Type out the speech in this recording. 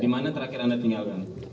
dimana terakhir anda tinggalkan